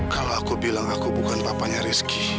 kalau aku bilang aku bukan papanya rizky